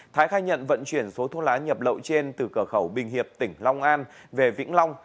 thái khai nhận vận chuyển số thuốc lá nhập lậu trên từ cửa khẩu bình hiệp tỉnh long an về vĩnh long